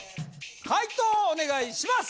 解答お願いします